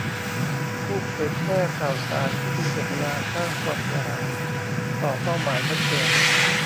ผู้เผยแพร่ข่าวสารที่มีเจตนาสร้างความเสียหายต่อเป้าหมายชัดเจน